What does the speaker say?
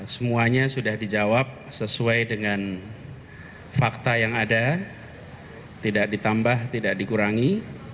semuanya sudah dijawab sesuai dengan fakta yang ada tidak ditambah tidak dikurangi